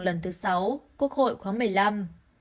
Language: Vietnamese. lần thứ sáu quốc hội khóa một mươi năm